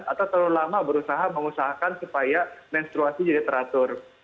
atau terlalu lama berusaha mengusahakan supaya menstruasi jadi teratur